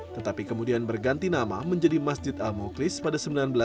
tetapi kemudian berganti nama menjadi masjid al muklis pada seribu sembilan ratus delapan puluh